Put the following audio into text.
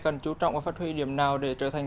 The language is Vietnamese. cần chú trọng và phát huy điểm nào để trở thành